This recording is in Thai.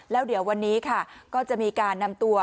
แล้วเดี๋ยววันนี้ค่ะก็จะมีการนำตัว